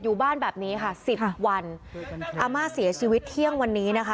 อยู่บ้านแบบนี้ค่ะสิบวันอาม่าเสียชีวิตเที่ยงวันนี้นะคะ